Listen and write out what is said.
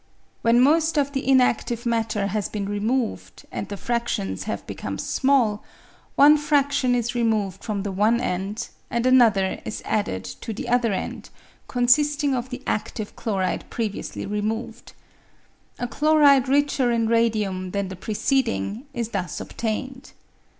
When most of the inactive matter has been removed, and the fractions have become small, one fradlion is re moved from the one end, and another is added to the other end consisting of the adlive chloride previously re moved. A chloride richer in radium than the preceding is thus obtained.